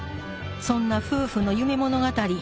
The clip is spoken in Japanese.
そんな夫婦の夢物語